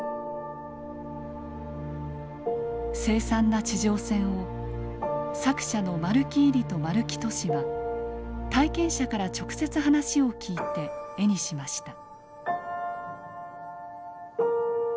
凄惨な地上戦を作者の丸木位里と丸木俊は体験者から直接話を聞いて絵にしました。